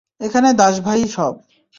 এখানে দাস ভাই-ই সব।